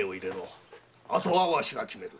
あとはわしが決める。